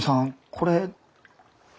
これ。